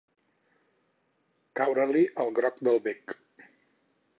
Caure-li el groc del bec.